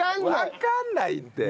わからないって。